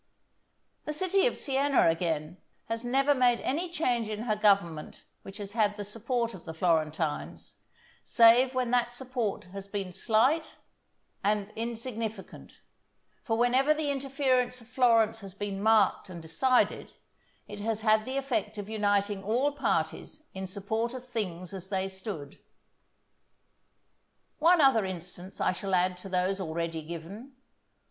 The city of Siena, again, has never made any change in her government which has had the support of the Florentines, save when that support has been slight and insignificant; for whenever the interference of Florence has been marked and decided, it has had the effect of uniting all parties in support of things as they stood. One other instance I shall add to those already given.